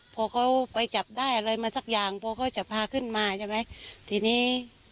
พอเขาไปจับได้อะไรมาสักอย่างพอเขาจะพาขึ้นมาใช่ไหมทีนี้